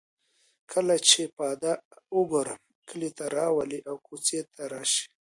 کله چې پاده او ګورم کلي ته راولي او کوڅې ته راشي.